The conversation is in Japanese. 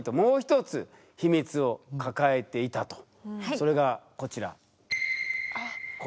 それがこちら。